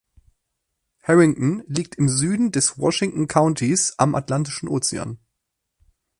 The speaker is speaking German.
Harrington liegt im Süden des Washington Countys am Atlantischen Ozean.